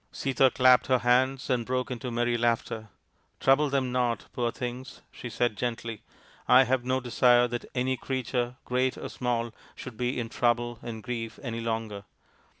Sita clapped her hands and broke into merry laughter. " Trouble them not, poor things," she said gently. " I have no desire that any creature, 54 THE INDIAN STORY BOOK great or small, should be in trouble and grief any longer."